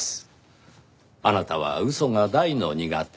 あなたは嘘が大の苦手。